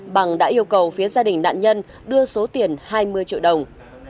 bằng đã yêu cầu phía gia đình nạn nhân đưa số tiền hai mươi triệu đồng